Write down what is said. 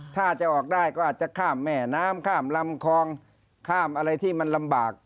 ถ้าจะออกได้ก็อาจจะข้ามแม่น้ำข้ามลำคลองข้ามอะไรที่มันลำบาก